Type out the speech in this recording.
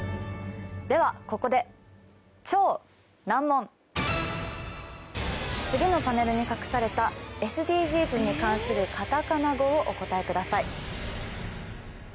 ではここで次のパネルに隠されたＳＤＧｓに関するカタカナ語をお答えください